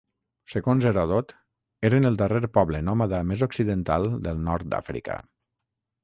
Segons Heròdot eren el darrer poble nòmada més occidental del nord d'Àfrica.